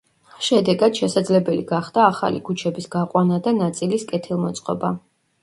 შედეგად შესაძლებელი გახდა ახალი ქუჩების გაყვანა და ნაწილის კეთილმოწყობა.